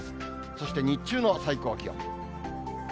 そして日中の最高気温。